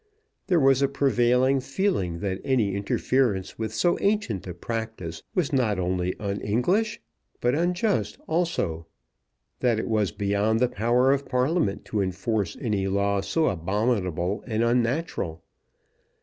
There was a prevailing feeling that any interference with so ancient a practice was not only un English, but unjust also; that it was beyond the power of Parliament to enforce any law so abominable and unnatural.